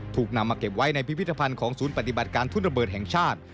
ถูกนำมาเก็บไว้ในพิพิธภัณฑ์ของศูนย์ปฏิบัติการทุ่นระเบิดแห่งชาติ